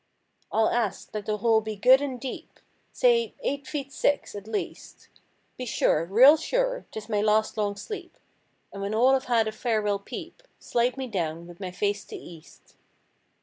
I'll ask that the hole be good and deep— Say eight feet six, at least— Be sure, real sure 'tis my last long sleep. And when all have had a farewell peep. Slide me down with my face to east.